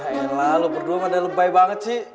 yaelah lo berdua padahal lebay banget sih